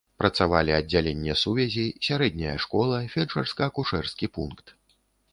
Працавалі аддзяленне сувязі, сярэдняя школа, фельчарска-акушэрскі пункт.